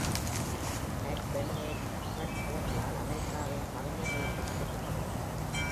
Curd Vonnegut அவர்களால் "அமெரிக்காவின் கவிஞர்கள்" என்றும் அழைக்கப்படுகிறார்.